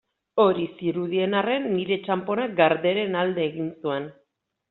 Hori zirudien arren, nire txanponak Garderen alde egin zuen.